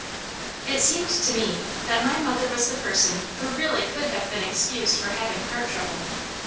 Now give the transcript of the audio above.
It seemed to me that my mother was the person who really could have been excused for having heart trouble.